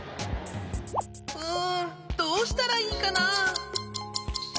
うんどうしたらいいかな？